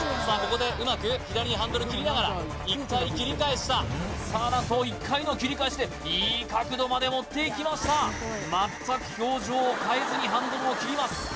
ここでうまく左にハンドル切りながら１回切り返したさあ何と１回の切り返しでいい角度まで持っていきました全く表情を変えずにハンドルを切ります